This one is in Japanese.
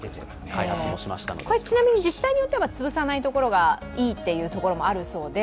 ちなみに自治体によってはつぶさない方がいいというところもあるそうで、